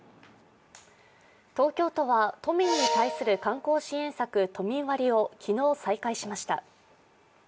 東京都は都民に対する観光支援策、都民割を昨日、再開しました。